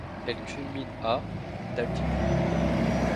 Elle culmine à d'altitude.